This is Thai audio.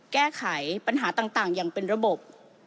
แก้ไขปัญหาต่างอย่างเป็นระบบ